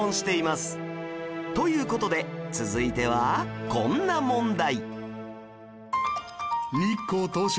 という事で続いてはこんな問題